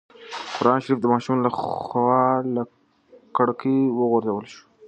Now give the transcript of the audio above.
قرانشریف د ماشوم له خوا له کړکۍ وغورځول شو.